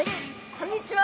こんにちは。